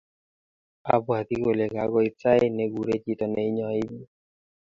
abwati kole kagoit sait naguree chito neinyoi biik